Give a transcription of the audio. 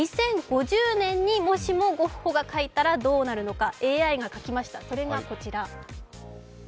２０５０年にもしもゴッホが描いたらどうなるのか、ＡＩが描きました、それがこちら。